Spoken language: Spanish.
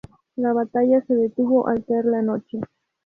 La batalla se detuvo al caer la noche.